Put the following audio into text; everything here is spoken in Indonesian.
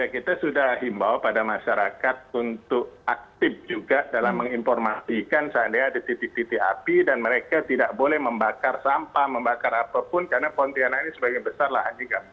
kita sudah himbau pada masyarakat untuk aktif juga dalam menginformasikan seandainya ada titik titik api dan mereka tidak boleh membakar sampah membakar apapun karena pontianak ini sebagai besar lahan juga